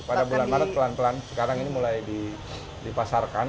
pada bulan maret pelan pelan sekarang ini mulai dipasarkan